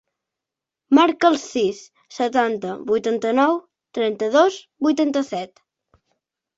Marca el sis, setanta, vuitanta-nou, trenta-dos, vuitanta-set.